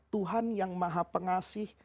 tuhan yang maha pengasih